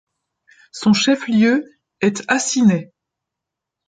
Son chef-lieu est Assinet.